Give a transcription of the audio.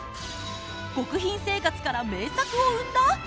極貧生活から名作を生んだ！？